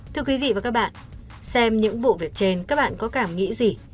thưa quý vị và các bạn xem những vụ việc trên các bạn có cảm nghĩ gì